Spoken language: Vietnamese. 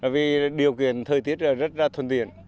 vì điều kiện thời tiết rất thuần tiện